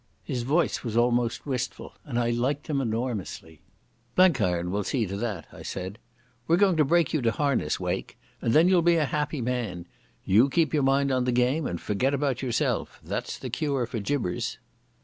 His voice was almost wistful, and I liked him enormously. "Blenkiron will see to that," I said. "We're going to break you to harness, Wake, and then you'll be a happy man. You keep your mind on the game and forget about yourself. That's the cure for jibbers."